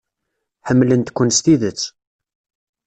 Ḥemmlent-ken s tidet.